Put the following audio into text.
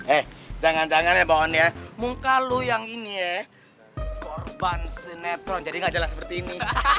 eh jangan jangan ya mbak on ya muka lo yang ini ya korban sinetron jadi gak jelas seperti ini